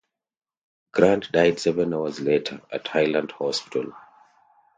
Grant died seven hours later at Highland Hospital.